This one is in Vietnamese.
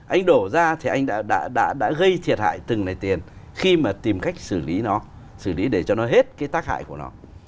anh đổ ra thì anh đã gây thiệt hại từng này tiền khi mà tìm cách xử lý nó xử lý để cho nó hết cái tác hại của nó